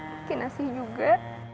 mungkin asli juga